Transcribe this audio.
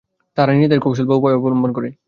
তাহারা নিজেদের কৌশল বা উপায় অবলম্বন করে।